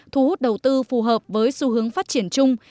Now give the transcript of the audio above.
thu hút đầu tư phù hợp với xu hướng phát triển chung